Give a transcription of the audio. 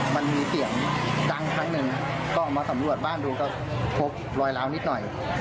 มันมีเสียงดังครั้งหนึ่งก็ออกมาสำรวจบ้านดูก็พบรอยล้าวนิดหน่อย